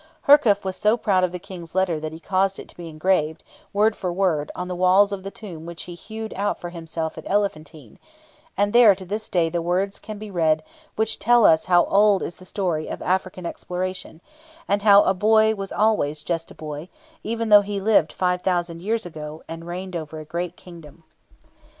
Herkhuf was so proud of the King's letter that he caused it to be engraved, word for word, on the walls of the tomb which he hewed out for himself at Elephantine, and there to this day the words can be read which tell us how old is the story of African exploration, and how a boy was always just a boy, even though he lived five thousand years ago, and reigned over a great kingdom.